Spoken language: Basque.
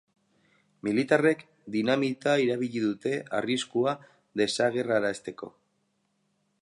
Militarrek dinamita erabili dute arriskua desagerrarazteko.